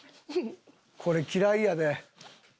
これ嫌いやで。